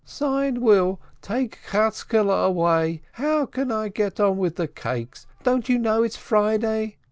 "Seinwill, take Chatzkele away ! How can I get on with the cakes ? Don't you know it's Friday